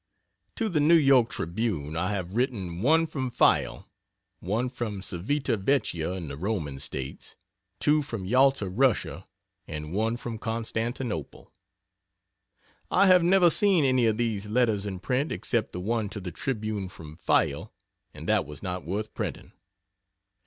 To the New York Tribune I have written 1 from Fayal. 1 from Civita Vecchia in the Roman States. 2 from Yalta, Russia. And 1 from Constantinople. I have never seen any of these letters in print except the one to the Tribune from Fayal and that was not worth printing.